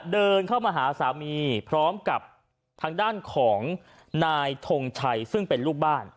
เดินเข้ามาหาสามีพร้อมกับทางด้านของนายทงชัยซึ่งเป็นลูกบ้าน